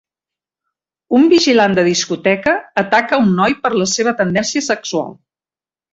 Un vigilant de discoteca ataca a un noi per la seva tendència sexual